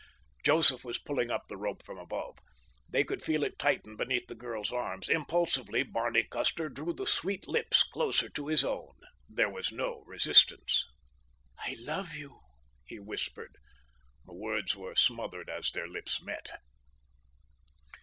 Joseph was pulling upon the rope from above. They could feel it tighten beneath the girl's arms. Impulsively Barney Custer drew the sweet lips closer to his own. There was no resistance. "I love you," he whispered. The words were smothered as their lips met.